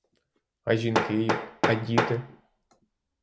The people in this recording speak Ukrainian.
А жінки їх, а діти?